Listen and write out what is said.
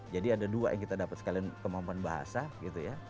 ada dua yang kita dapat sekalian kemampuan bahasa gitu ya